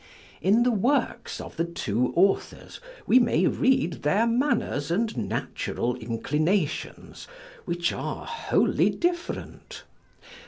In the works of the two authors we may read their manners and natural inclinations, which are wholly different.